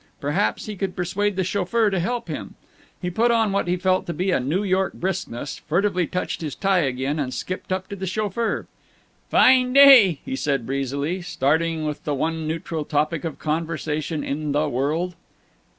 Perhaps he could persuade the chauffeur to help him. He put on what he felt to be a New York briskness, furtively touched his tie again, and skipped up to the chauffeur. "Fine day!" he said, breezily, starting with the one neutral topic of conversation in the world.